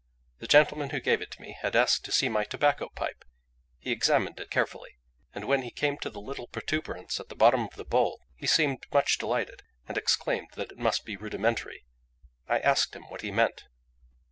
The gentleman who gave it to me had asked to see my tobacco pipe; he examined it carefully, and when he came to the little protuberance at the bottom of the bowl he seemed much delighted, and exclaimed that it must be rudimentary. I asked him what he meant.